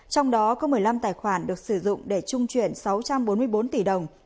trong đó có một mươi năm tài khoản được sử dụng để trung chuyển sáu trăm bốn mươi bốn tỷ đồng